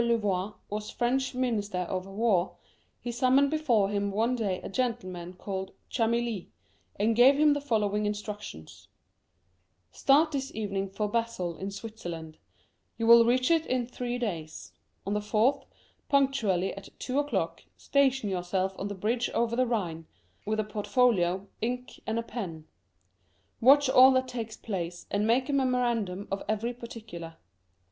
de Louvois was French Minister of War, he summoned before him one day a gentle man named Chamilly, and gave him the following instructions :" Start this evening for Basle, in Switzerland j you will reach it in three days ; on the fourth, punctually at two o'clock, station yourself on the bridge over the Rhine, with a portfolio, ink, and a pen. Watch all that takes place, and make a memorandum of every particular.